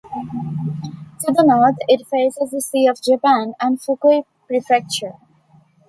To the north, it faces the Sea of Japan and Fukui Prefecture.